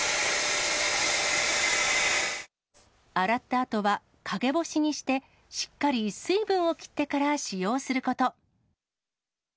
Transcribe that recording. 洗ったあとは陰干しにして、しっかり水分を切ってから使用すること。